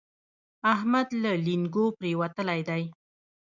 احمد له لېنګو پرېوتلی دی.